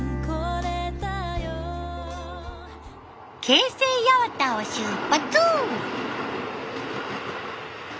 京成八幡を出発。